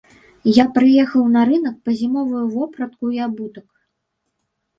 Я прыехаў на рынак па зімовую вопратку і абутак.